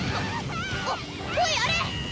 おおいあれ！